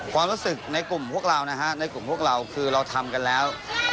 ความรู้สึกในกลุ่มพวกเรานะฮะในกลุ่มพวกเราคือเราทำกันแล้ว